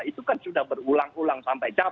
itu kan sudah berulang ulang sampai jam